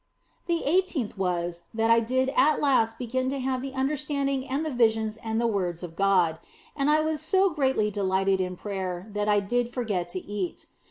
The eighteenth was, that I did at last begin to have the understanding and the visions and the words of God, and I so greatly delighted in prayer that I did forget to eat.